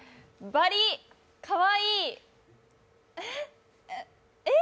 バリ、かわいいえ？